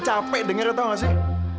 capek denger ya tau gak sih